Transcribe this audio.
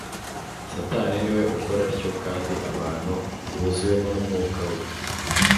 Satani ni we ukora atyo; kandi abantu buzuwemo n'umwuka we